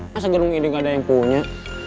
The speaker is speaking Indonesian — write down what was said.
masa gerung ini nggak ada yang punya